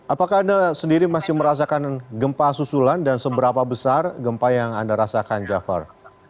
apakah anda sendiri masih merasakan gempa susulan dan seberapa besar gempa yang anda rasakan jafar